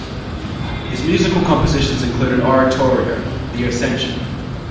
His musical compositions include an oratorio, "The Ascension".